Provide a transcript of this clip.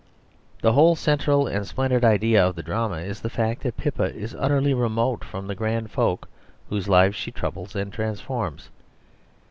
The whole central and splendid idea of the drama is the fact that Pippa is utterly remote from the grand folk whose lives she troubles and transforms.